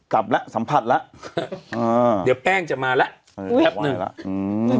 กลับแล้วสัมผัสแล้วอ่าเดี๋ยวแป้งจะมาแล้วอื้อยแคบหนึ่งหรือ